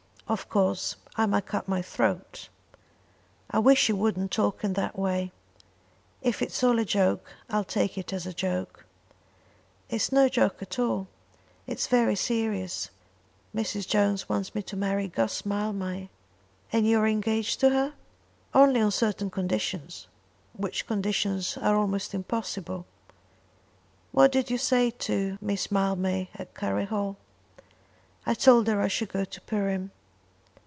"Of course I might cut my throat." "I wish you wouldn't talk in that way. If it's all a joke I'll take it as a joke." "It's no joke at all; it's very serious. Mrs. Jones wants me to marry Guss Mildmay." "And you are engaged to her?" "Only on certain conditions, which conditions are almost impossible." "What did you say to Miss Mildmay at Curry Hall?" "I told her I should go to Perim."